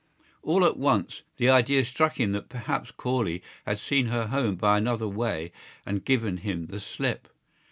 All at once the idea struck him that perhaps Corley had seen her home by another way and given him the slip.